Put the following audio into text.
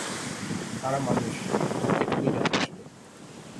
তারা মানুষ, এটুকুই যথেষ্ট!